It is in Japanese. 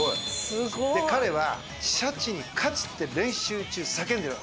彼は「シャチに勝つ」って練習中叫んでる。